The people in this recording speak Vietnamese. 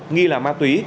nghi là ma túy